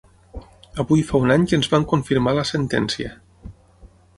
Avui fa un any que ens van confirmar la sentència.